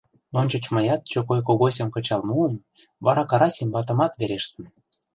Ончыч мыят Чокой Когосьым кычал муым, вара Карасим ватымат верештым.